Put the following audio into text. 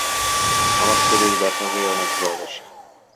আমার শরীর ব্যথা হয়ে অনেক জ্বর আসে।